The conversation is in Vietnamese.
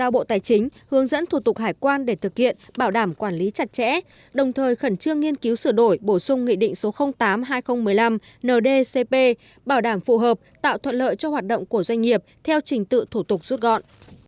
bộ công thương chủ trì phối hợp với bộ tài chính các cơ quan liên quan khẩn trương nghiên cứu sửa đổi bổ sung quy định số tám hai nghìn một mươi năm ndcp bảo đảm phù hợp tạo thuận lợi cho hoạt động của doanh nghiệp theo trình tựu thủ tục rút gọn